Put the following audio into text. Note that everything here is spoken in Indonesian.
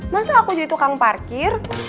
masa aku jadi tukang parkir